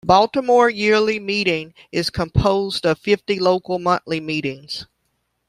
Baltimore Yearly Meeting is composed of fifty local Monthly Meetings.